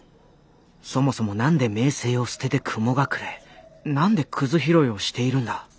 そもそも何で名声を捨てて雲隠れ何でくず拾いをしているんだ。